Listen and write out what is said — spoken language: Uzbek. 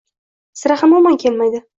Sira ham omon kelmaydi.